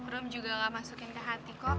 room juga gak masukin ke hati kok